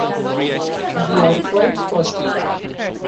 They are quite costly.